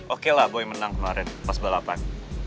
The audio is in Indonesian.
oke lah boy menang kemarin pas balapan